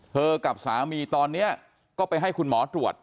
กับสามีตอนนี้ก็ไปให้คุณหมอตรวจ